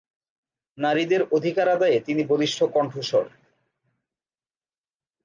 নারীদের অধিকার আদায়ে তিনি বলিষ্ঠ কন্ঠস্বর।